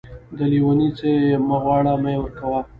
د لېوني څه يې مه غواړه ،مې ورکوه.